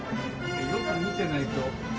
よく見てないと。